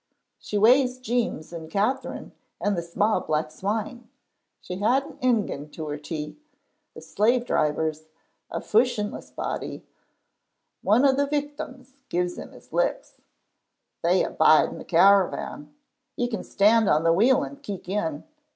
She weighs Jeems and Kaytherine and the sma' black swine. She had an ingin to her tea. The Slave driver's a fushinless body. One o' the Victims gives him his licks. They a' bide in the caravan. You can stand on the wheel and keek in.